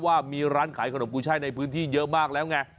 ว่ามีร้านขายขนมกุ้ยช่ายในพื้นที่เยอะมากแล้วไง